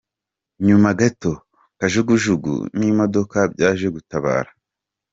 Nyuma gato, kajugujugu n'imodoka byaje gutabara.